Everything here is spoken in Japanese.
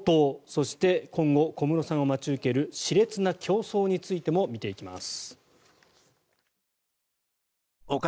そして今後小室さんを待ち受ける熾烈な競争についても見ていきます。